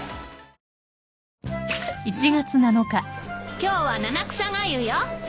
今日は七草がゆよ。